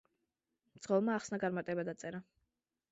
მძღოლმა ახსნა-განმარტება დაწერა.